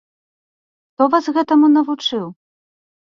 Хто вас гэтаму навучыў?